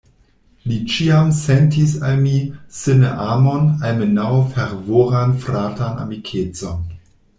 Li ĉiam sentis al mi, se ne amon, almenaŭ fervoran fratan amikecon.